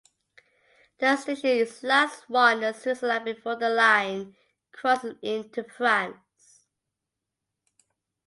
The station is last one in Switzerland before the line crosses into France.